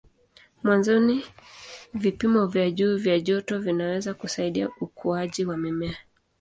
Mwanzoni vipimo vya juu vya joto vinaweza kusaidia ukuaji wa mimea.